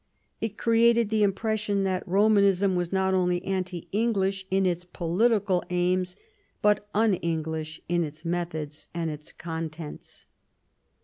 It created the impression that Romanism was not only anti English in its political aims, but un English in its methods and in its contents.